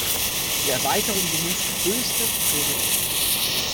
Die Erweiterung genießt höchste Priorität.